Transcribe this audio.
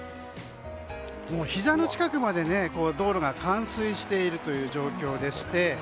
ひざの近くまで道路が冠水しているという状況でして。